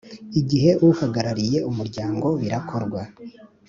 Igihe Uhagarariye Umuryango birakorwa